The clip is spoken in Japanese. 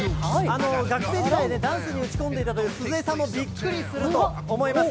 学生時代にね、ダンスに打ち込んでいたという鈴江さんもびっくりすると思います。